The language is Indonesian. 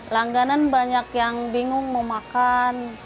langganan banyak yang bingung mau makan